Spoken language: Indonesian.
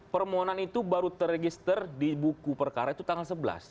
permohonan itu baru terregister di buku perkara itu tanggal sebelas